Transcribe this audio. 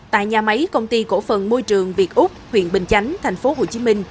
tại nhà máy công ty cổ phần môi trường việt úc huyện bình chánh tp hcm